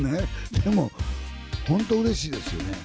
でも、本当、うれしいですよね。